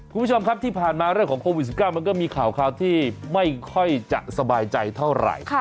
คุณผู้ชมครับที่ผ่านมาเรื่องของโควิด๑๙มันก็มีข่าวที่ไม่ค่อยจะสบายใจเท่าไหร่